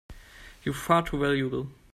You're far too valuable!